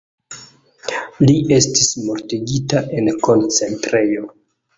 Li estis mortigita en koncentrejo.